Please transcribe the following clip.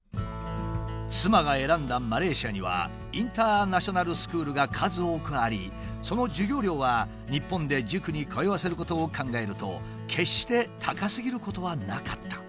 妻が選んだマレーシアにはインターナショナルスクールが数多くありその授業料は日本で塾に通わせることを考えると決して高すぎることはなかった。